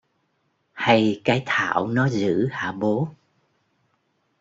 Hay Cái Thảo nó giữ hả bố